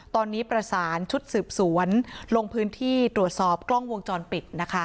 ตอนนี้ประสานชุดสืบสวนลงพื้นที่ตรวจสอบกล้องวงจรปิดนะคะ